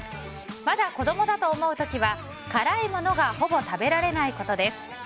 まだ子供だと思う時は辛いものがほぼ食べられないことです。